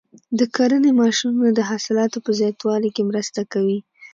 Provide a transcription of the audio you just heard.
د کرنې ماشینونه د حاصلاتو په زیاتوالي کې مرسته کوي.